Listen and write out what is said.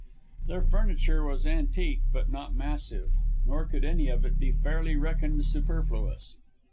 Their furniture was antique but not massive; nor could any of it be fairly reckoned superfluous.